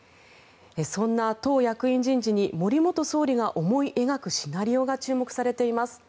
そんな党役員人事に森元総理が思い描くシナリオが注目されています。